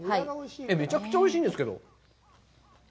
めちゃくちゃおいしいんですけど。